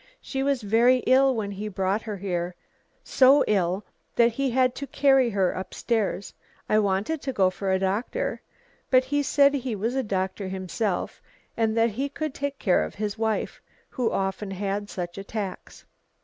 She was very ill when he brought her here so ill that he had to carry her upstairs. I wanted to go for a doctor, but he said he was a doctor himself, and that he could take care of his wife, who often had such attacks.